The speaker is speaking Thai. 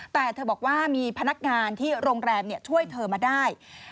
แต่เธอบอกว่ามีพนักงานที่โรงแรมช่วยเธอมาได้